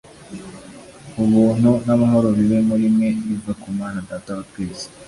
Ubuntu n’amahoro bibe muri mwe biva ku Mana Data wa twese